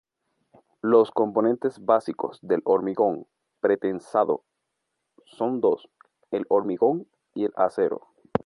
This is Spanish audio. Los componentes básicos del Hormigón Pretensado son dos: el Hormigón y el Acero.